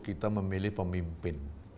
kita memilih pemimpin